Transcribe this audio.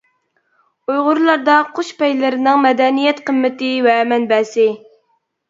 ئۇيغۇرلاردا قۇش پەيلىرىنىڭ مەدەنىيەت قىممىتى ۋە مەنبەسى.